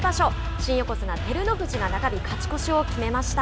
新横綱・照ノ富士が中日勝ち越しを決めました。